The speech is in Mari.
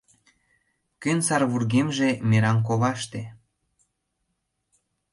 Кӧн сар вургемже — мераҥ коваште